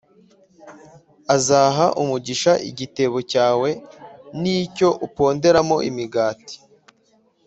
azaha umugisha igitebo cyawe+ n’icyo uponderamo imigati.